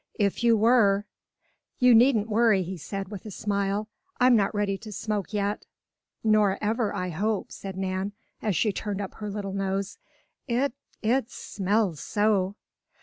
"If you were " "You needn't worry," he said, with a smile. "I'm not ready to smoke yet." "Nor ever, I hope," said Nan, as she turned up her little nose. "It it smells so."